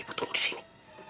ibu tunggu disini